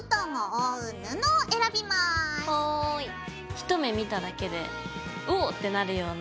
一目見ただけでオッ！ってなるような。